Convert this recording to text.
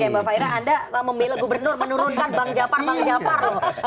oke mbak faira anda membela gubernur menurunkan bank jafar bank jafar loh